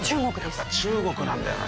やっぱ中国なんだよな。